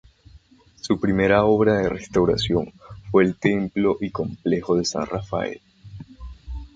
Su primera obra de restauración fue el templo y complejo de San Rafael.